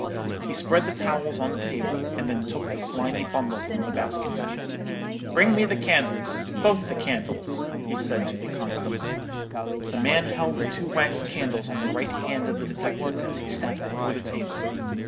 He spread the towels on the table, and then took the slimy bundle from the basket. "'Bring me the candles—both the candles,' he said to the constable. "The man held the two wax candles on the right hand of the detective, as he sat before the table.